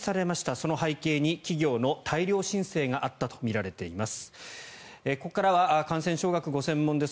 その背景に企業の大量申請があったとみられています。